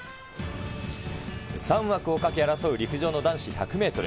３枠をかけ争う陸上の男子１００メートル。